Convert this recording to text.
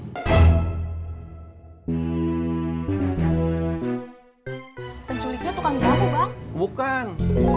penculiknya tukang jamu bang